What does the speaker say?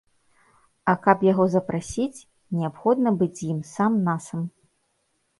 А каб яго запрасіць, неабходна быць з ім сам-насам.